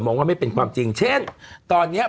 ว่าไม่เป็นความจริงเช่นตอนนี้